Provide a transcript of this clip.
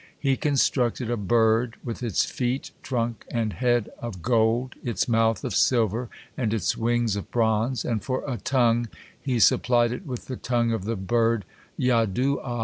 He constructed a bird with its feet, trunk, and head of gold, its mouth of silver, and its wings of bronze, and for a tongue he supplied it with the tongue of the bird Yadu'a.